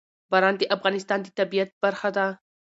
باران د افغانستان د طبیعت برخه ده.